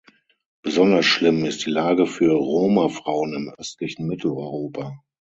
Besonders schlimm ist die Lage für Roma-Frauen im östlichen Mitteleuropa.